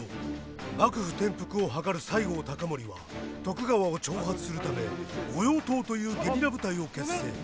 幕府転覆を謀る西郷隆盛は徳川を挑発するため御用盗というゲリラ部隊を結成。